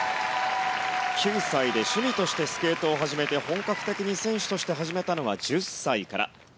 ９歳で趣味としてスケートを始めて本格的に選手として始めたのは１０歳から。